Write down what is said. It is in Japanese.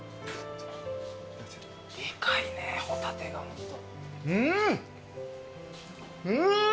・でかいねホタテがホント。